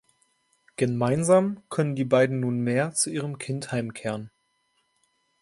Gemeinsam können die beiden nunmehr zu ihrem Kind heimkehren.